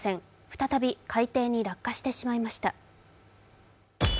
再び海底に落下してしまいました。